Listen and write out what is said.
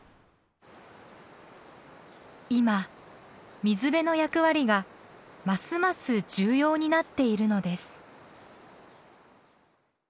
今水辺の役割がますます重要になっているのです。